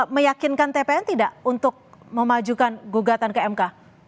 meyakinkan tpn tidak untuk memajukan gugatan kmk